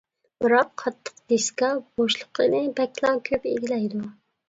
بىراق قاتتىق دىسكا بوشلۇقىنى بەكلا كۆپ ئىگىلەيدۇ.